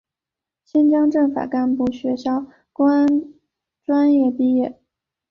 新疆政法干部学校公安专业毕业。